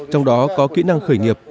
trong đó có kỹ năng khởi nghiệp